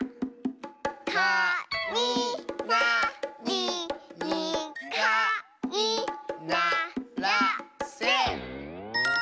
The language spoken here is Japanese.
「かみなりにかいならせ」。